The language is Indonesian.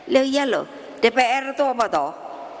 loh iyalah dpr itu apa tuh